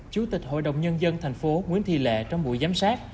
chủ tịch hội đồng nhân dân tp hcm nguyễn thị lệ trong buổi giám sát